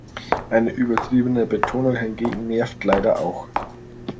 Eine übertriebene Betonung hingegen nervt leider auch.